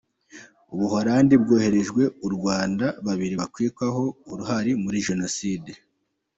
Ubuholandi bwoherereje u Rwanda babiri bakekwaho uruhare muri Jenoside.